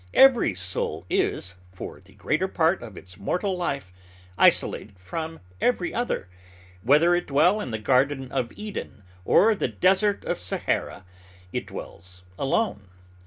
Every soul is, for the greater part of its mortal life, isolated from every other. Whether it dwell in the Garden of Eden or the Desert of Sahara, it dwells alone.